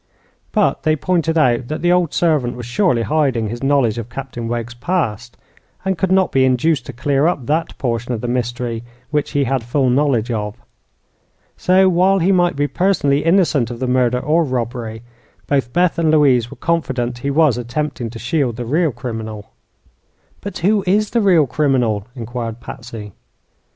But they pointed out that the old servant was surely hiding his knowledge of Captain Wegg's past, and could not be induced to clear up that portion of the mystery which he had full knowledge of. So, while he might be personally innocent of the murder or robbery, both Beth and Louise were confident he was attempting to shield the real criminal. "But who is the real criminal?" inquired Patsy.